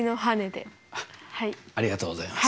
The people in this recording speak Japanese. ありがとうございます。